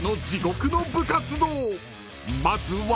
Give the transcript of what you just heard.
［まずは］